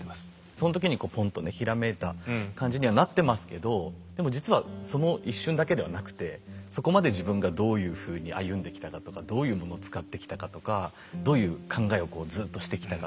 その時にこうポンとね閃いた感じにはなってますけどでも実はその一瞬だけではなくてそこまで自分がどういうふうに歩んできたかとかどういうものを使ってきたかとかどういう考えをこうずっとしてきたかとか。